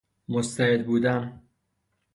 مستعد بودن